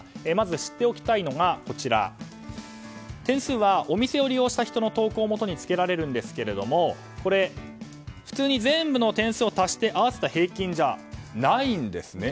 まず知っておきたいのが、点数はお店を利用した人の投稿をもとに付けられるんですが普通に全部の点数を足して合わせた平均じゃないんです。